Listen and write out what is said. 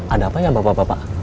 ada apa ya bapak bapak